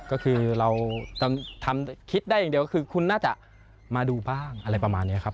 ก็คือเราทำคิดได้อย่างเดียวก็คือคุณน่าจะมาดูบ้างอะไรประมาณนี้ครับ